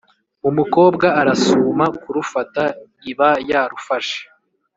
umukobwa arasuma kurufata, iba yarufashe.